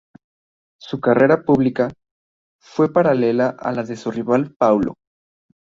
Su carrera pública fue paralela a la de su rival Paulo.